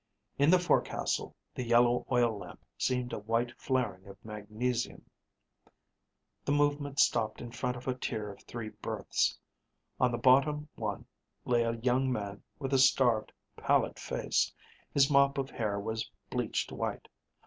In the forecastle, the yellow oil lamp seemed a white flaring of magnesium._ _The movement stopped in front of a tier of three berths; on the bottom one lay a young man with a starved, pallid face. His mop of hair was bleached white.